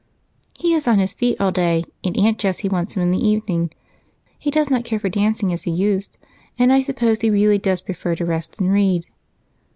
"He is on his feet all day, and Aunt Jessie wants him in the evening. He does not care for dancing as he used, and I suppose he really does prefer to rest and read."